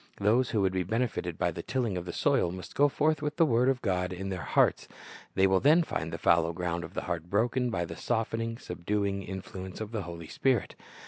Those who would be benefited by the tilling of the soil must go forth with the word of God in their hearts. They will then find the fallow ground of the heart broken by the softening, subduing influence of the Holy Spirit.